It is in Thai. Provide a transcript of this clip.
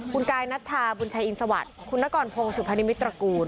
คุณกายนัชชาบุญชัยอินสวัสดิ์คุณนกรพงศุพนิมิตรกูล